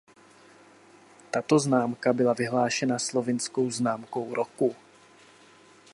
Tato známka byla vyhlášena slovinskou známkou roku.